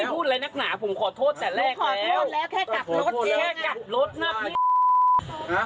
นุกกลับรถอีกบ้าน